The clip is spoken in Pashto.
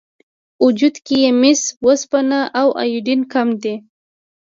وجود کې یې مس، وسپنه او ایودین کم دي.